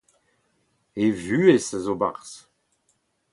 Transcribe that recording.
e vuhez a zo e-barzh